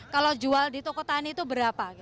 kalau jual di toko tani itu berapa